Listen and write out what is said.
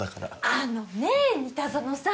あのねえ三田園さん！